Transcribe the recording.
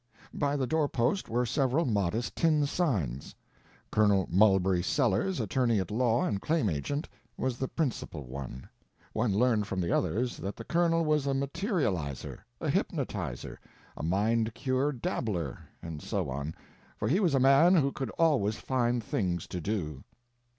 By the door post were several modest tin signs. "Col. Mulberry Sellers, Attorney at Law and Claim Agent," was the principal one. One learned from the others that the Colonel was a Materializer, a Hypnotizer, a Mind Cure dabbler; and so on. For he was a man who could always find things to do.